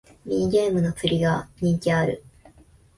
ミニゲームの釣りが人気ある